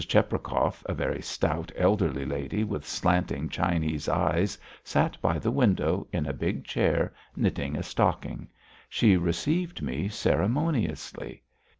Cheprakov, a very stout elderly lady, with slanting, Chinese eyes, sat by the window, in a big chair, knitting a stocking. She received me ceremoniously.